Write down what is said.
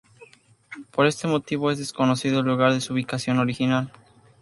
Por este motivo, es desconocido el lugar de su ubicación original.